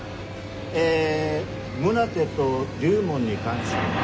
え宗手と龍門に関しては。